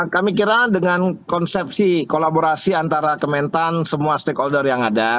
kami kira dengan konsepsi kolaborasi antara kementan semua stakeholder yang ada